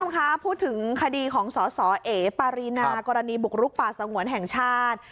สวัสดีครับพูดถึงคดีของสเปารีนากรณีบุกรุกป่าสงวนแห่งชาติ